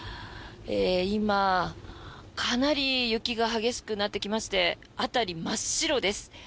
今、かなり雪が激しくなってきまして辺り真っ白です。